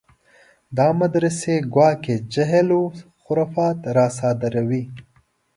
دا مدرسې ګواکې جهل و خرافات راصادروي.